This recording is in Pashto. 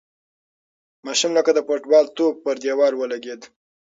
ماشوم لکه د فوټبال توپ پر دېوال ولگېد.